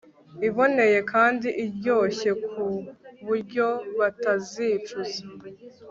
iboneye kandi iryoshye ku buryo batazicuza